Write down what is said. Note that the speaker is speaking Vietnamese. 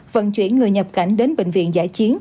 vận chuyển người nhập cảnh đến bệnh viện giải chiến